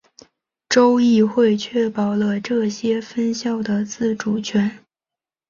州议会确保了这些分校的自主权。